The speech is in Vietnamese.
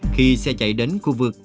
khi xe chạy đến khu vực